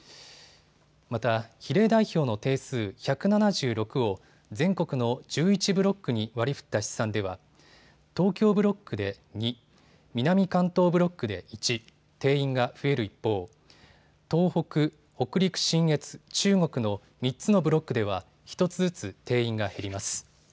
また、比例代表の定数１７６を全国の１１ブロックに割りふった試算では東京ブロックで２、南関東ブロックで１、定員が増える一方、東北、北陸信越、中国の３つのブロックでは１つずつ定員が減ります。